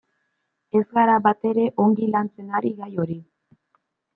Ez gara batere ongi lantzen ari gai hori.